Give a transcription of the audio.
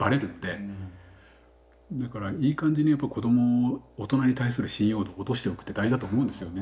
だからいい感じにやっぱ子ども大人に対する信用度を落としておくって大事だと思うんですよね。